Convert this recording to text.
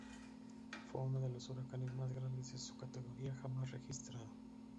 Fue uno de los huracanes más grandes de su categoría jamás registrado.